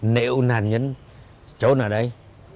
nếu nạn nhân trốn ở đây